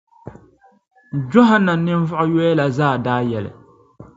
Jɔhanan ni ninvuɣ’ yoya la zaa daa yɛli.